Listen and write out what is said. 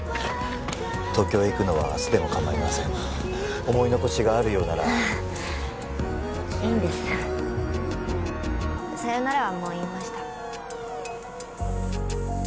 東京へ行くのは明日でも構いません思い残しがあるようならいいんですさよならはもう言いました